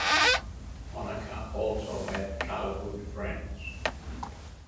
Honecker also met childhood friends.